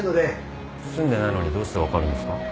住んでないのにどうして分かるんですか？